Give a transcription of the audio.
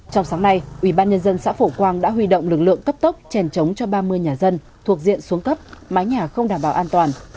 trong sáng nay ủy ban nhân dân xã phổ quang đã huy động lực lượng cấp tốc chèn trống cho ba mươi nhà dân thuộc diện xuống cấp mái nhà không đảm bảo an toàn